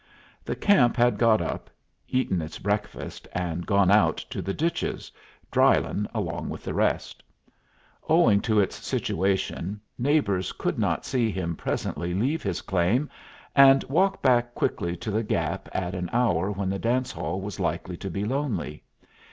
The camp had got up, eaten its breakfast, and gone out to the ditches, Drylyn along with the rest. Owing to its situation, neighbors could not see him presently leave his claim and walk back quickly to the Gap at an hour when the dance hall was likely to be lonely.